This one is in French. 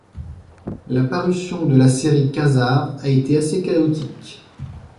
La parution de la série Quasar a été assez chaotique.